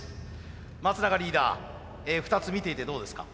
松永リーダー２つ見ていてどうですか？